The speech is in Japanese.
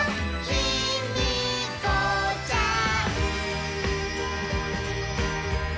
ヒミコちゃん！